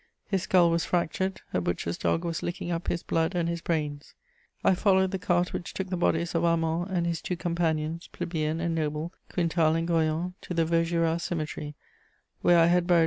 His skull was fractured; a butcher's dog was licking up his blood and his brains. I followed the cart which took the bodies of Armand and his two companions, plebeian and noble, Quintal and Goyon, to the Vaugirard Cemetery, where I had buried M.